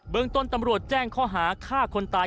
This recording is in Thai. เมืองต้นตำรวจแจ้งข้อหาฆ่าคนตาย